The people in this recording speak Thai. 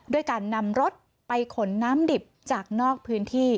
ด้วยการนำรถไปขนน้ำดิบจากนอกพื้นที่